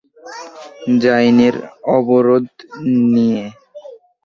জায়নের অবরোধ নিয়ে।